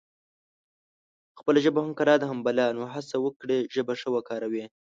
خپله ژبه هم کلا ده هم بلا نو هسه وکړی ژبه ښه وکاروي